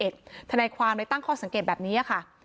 ทนายความเลยตั้งข้อสังเกตแบบนี้ค่ะ